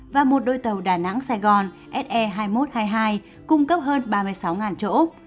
và một đôi tàu đà nẵng sài gòn se hai nghìn một trăm hai mươi hai cung cấp hơn ba mươi sáu chỗ